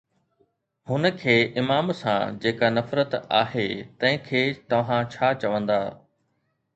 هن کي امام سان جيڪا نفرت آهي، تنهن کي توهان ڇا چوندا؟